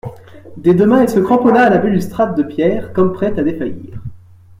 Des deux mains elle se cramponna à la balustrade de pierre, comme prête à défaillir.